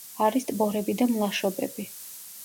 არის ტბორები და მლაშობები.